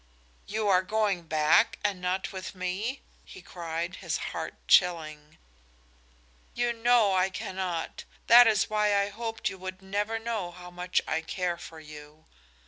"You are going back and not with me?" he cried, his heart chilling. "You know I cannot. That is why I hoped you would never know how much I care for you.